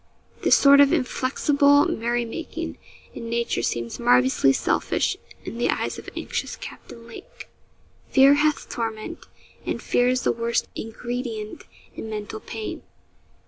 This sort of inflexible merry making in nature seems marvellously selfish in the eyes of anxious Captain Lake. Fear hath torment and fear is the worst ingredient in mental pain.